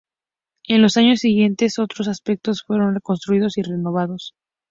En los años siguientes, otros aspectos fueron reconstruidos y renovados.